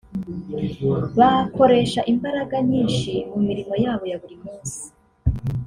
bakoresha imbaraga nyinshi mu mirimo yabo ya buri munsi